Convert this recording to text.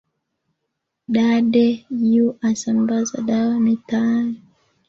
Dade yuasambaza dawa mitaani